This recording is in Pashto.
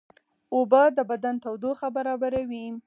اوبه د بدن تودوخه برابروي